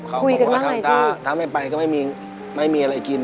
เขาบอกว่าถ้าไม่ไปก็ไม่มีอะไรกิน